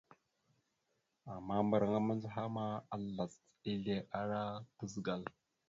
Ama mbəraŋa mandzəhaŋa ma, azlac ezle ana tazəgal.